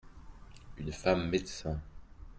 Une femme médecin.